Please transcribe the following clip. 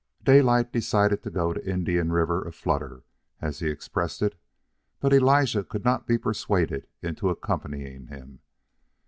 Daylight decided to go Indian River a flutter, as he expressed it; but Elijah could not be persuaded into accompanying him.